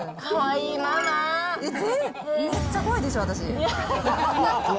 めっちゃ怖いですよ、私。